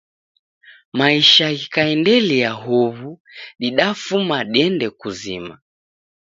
Maisha ghikaendelia huw'u didafuma dende kuzima.